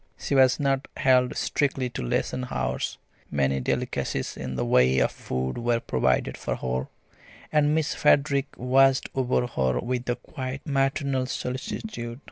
She was not held strictly to lesson hours; many delicacies in the way of food were provided for her, and Miss Frederick watched over her with a quite maternal solicitude.